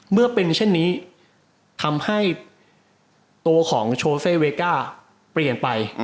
เมื่อเป็นเช่นนี้ทำให้ตัวของโชเซเวก้าเปลี่ยนไป